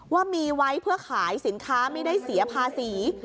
ว่ามีไว้เพื่อขายสินค้าไม่ได้เสียภาษี